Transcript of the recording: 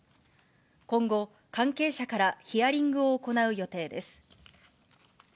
今後、関係者からヒヤリングを行う予定です。